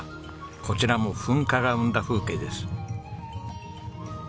こちらも噴火が生んだ風景です。